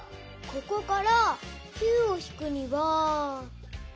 ここから９をひくには。